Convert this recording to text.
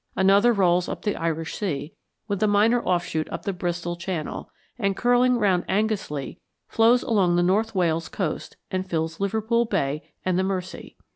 Another rolls up the Irish Sea, with a minor offshoot up the Bristol Channel, and, curling round Anglesey, flows along the North Wales coast and fills Liverpool Bay and the Mersey.